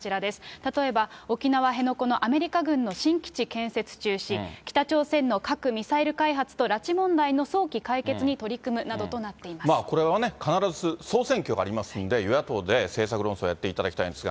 例えば、沖縄・辺野古のアメリカ軍新基地建設中止、北朝鮮の核・ミサイル開発と拉致問題の早期解決に取り組むなどとこれはね、必ず、総選挙がありますんで、与野党で政策論争をやっていただきたいんですが。